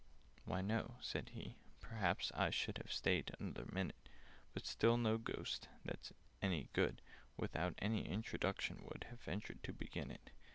"Why, no," said he; "perhaps I should Have stayed another minute— But still no Ghost, that's any good, Without an introduction would Have ventured to begin it.